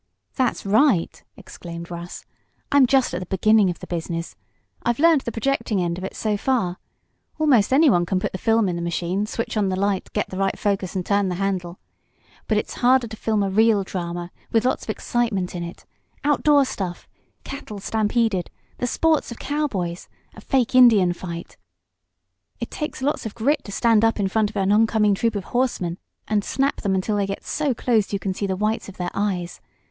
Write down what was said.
"That's right!" exclaimed Russ. "I'm just at the beginning of the business. I've learned the projecting end of it so far. Almost anyone can put the film in the machine, switch on the light, get the right focus and turn the handle. But it's harder to film a real drama with lots of excitement in it outdoor stuff cattle stampeded the sports of cowboys a fake Indian fight; it takes lots of grit to stand up in front of an oncoming troop of horsemen, and snap them until they get so close you can see the whites of their eyes.